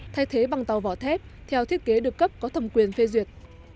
thay thế bằng tàu vỏ thép theo thiết kế được cấp có thẩm quyền phê duyệt